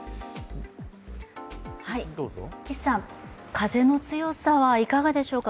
風の強さはいかがでしょうか。